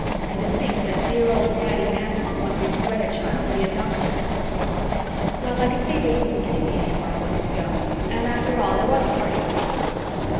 And to think that dear old Daddy Anton wanted his Greta chile to be a doctor. Well, I could see this wasn't getting me anywhere I wanted to go, and after all there was a party going on.